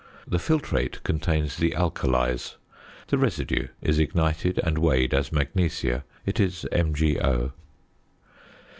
The filtrate contains the alkalies. The residue is ignited, and weighed as magnesia. It is MgO.